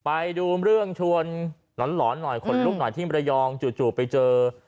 ไปดูเรื่องชวนหลอนหน่อยขนลุกหน่อยที่มรยองจู่ไปเจอ